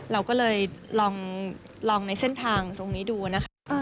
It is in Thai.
เราก็เลยลองในเส้นทางตรงนี้ดูนะคะ